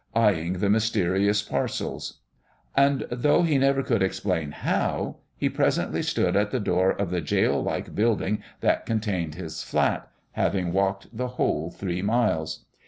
eyeing the mysterious parcels.... And, though he never could explain how, he presently stood at the door of the jail like building that contained his flat, having walked the whole three miles!